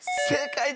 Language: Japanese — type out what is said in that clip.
正解！